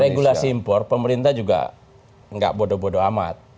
regulasi impor pemerintah juga gak bodo bodo amat